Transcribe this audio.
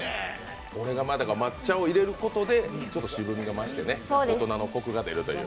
これが抹茶を入れることでちょっと渋みが増して大人のコクがでるという。